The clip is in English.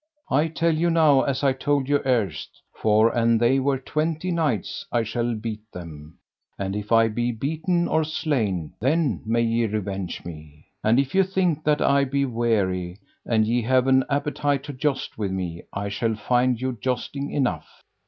I tell you now as I told you erst; for an they were twenty knights I shall beat them, and if I be beaten or slain then may ye revenge me. And if ye think that I be weary, and ye have an appetite to joust with me, I shall find you jousting enough.